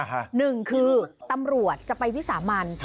หนึ่งคือตำรวจจะไปวิสามัน